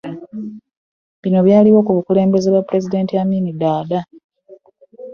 Bino byaliwo ku bukulembeze bwa pulezidenti Iddi Amin Dada.